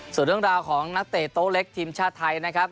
ส่วนเรื่องราวของนักเตะโต๊ะเล็กทีมชาติไทยนะครับ